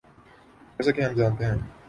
جیسا کہ ہم جانتے ہیں۔